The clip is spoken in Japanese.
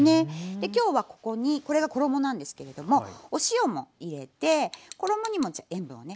で今日はここにこれが衣なんですけれどもお塩も入れて衣にも塩分をね